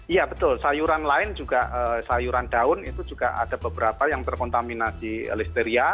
iya betul sayuran lain juga sayuran daun itu juga ada beberapa yang terkontaminasi listeria